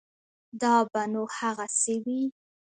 دا به نو هغسې وي.